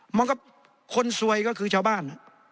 มองกับคนซวยก็คือชาวบ้าน